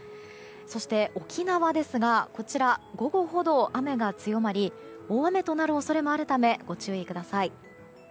そして、沖縄ですがこちらは午後ほど雨が強まり大雨となる恐れもあるためご注意ください。